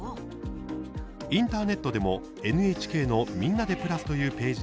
インターネットでもＮＨＫのみんなでプラスというページで